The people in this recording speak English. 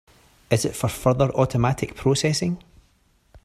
Is it for further automatic processing?